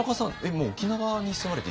もう沖縄に住まれて１１年？